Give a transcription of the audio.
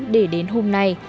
để đến hôm nay